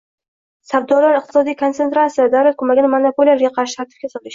savdolar, iqtisodiy konsentratsiya va davlat ko‘magini monopoliyaga qarshi tartibga solish;